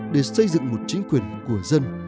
để xây dựng một chính quyền của dân